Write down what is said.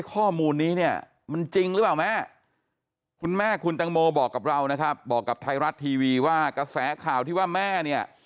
ข้อมูลนี้เนี่ยมันจริงหรือเปล่าแม่คุณแม่คุณตังโมบอกกับเรานะครับบอกกับไทยรัฐทีวีว่ากระแสข่าวที่ว่าแม่เนี่ย